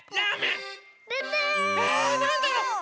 えなんだろ？